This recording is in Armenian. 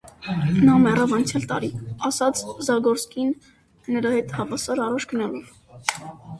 - Նա մեռավ անցյալ տարի,- ասաց Զագորսկին, նրա հետ հավասար առաջ գնալով: